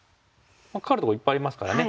カカるところいっぱいありますからね。